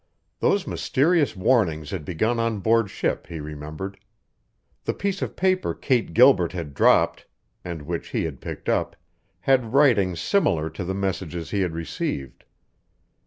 Those mysterious warnings had begun on board ship, he remembered. The piece of paper Kate Gilbert had dropped, and which he had picked up, had writing similar to the messages he had received.